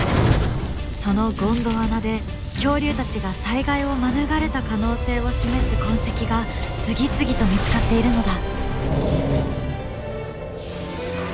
そのゴンドワナで恐竜たちが災害を免れた可能性を示す痕跡が次々と見つかっているのだ。